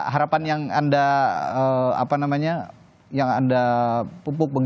harapan yang anda pupuk